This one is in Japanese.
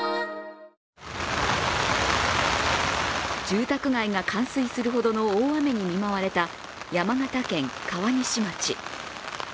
住宅街が冠水するほどの大雨に見舞われた山形県川岸町。